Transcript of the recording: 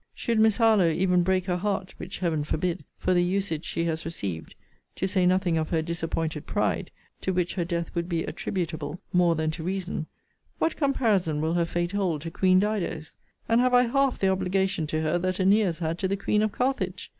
Should Miss Harlowe even break her heart, (which Heaven forbid!) for the usage she has received, (to say nothing of her disappointed pride, to which her death would be attributable, more than to reason,) what comparison will her fate hold to Queen Dido's? And have I half the obligation to her, that Æneas had to the Queen of Carthage?